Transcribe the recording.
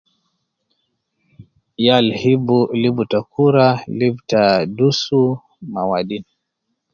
Yal hibu libu ta kura, libu ta dusu ma wadin